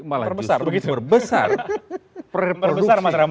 malah justru memperbesar reproduksi isu kebangkitan pki